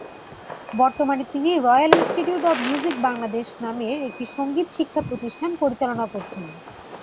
বর্তমানে তিনি "royal institute of music Bangladesh" নামের একটি সঙ্গীত শিক্ষা প্রতিষ্ঠান পরিচালনা করছেন।